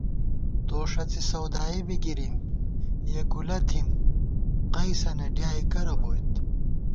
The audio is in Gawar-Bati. تو ݭڅی سودارئی بی گِرِم یېکُولہ تھِم قَیسَنہ ڈیائےکرہ بوئیت